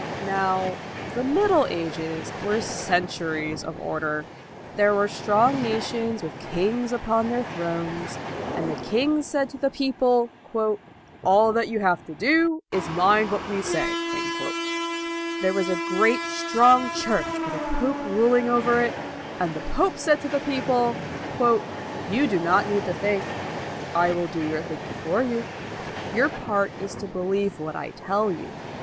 Now the Middle Ages were centuries of order. There were strong nations with kings upon their thrones, and the kings LAUD 213 said to the people, " All that you have to do is to mind what we say. r There was a great, strong Church with a pope ruling over it, and the pope said to the people, " You do not need to think; I will do your thinking for you. Your part is to believe what I tell you.''